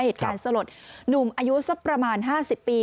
เหตุการณ์สลดหนุ่มอายุสักประมาณ๕๐ปี